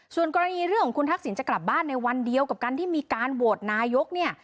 ส่วนกรณีเรื่องของคุณทักษิณจะกลับบ้านในวันเดียวกับการที่มีการโหวตนายกเนี่ย